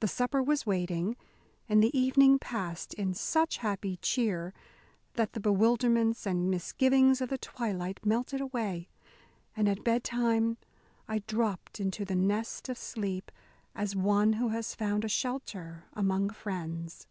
The supper was waiting, and the evening passed in such happy cheer that the bewilderments and misgivings of the twilight melted away, and at bedtime I dropped into the nest of sleep as one who has found a shelter among friends.